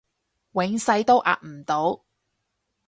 永世都壓唔到